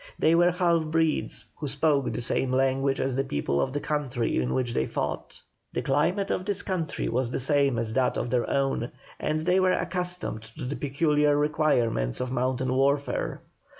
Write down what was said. They were half breeds, who spoke the same language as the people of the country in which they fought. The climate of this country was the same as that of their own, and they were accustomed to the peculiar requirements of mountain warfare.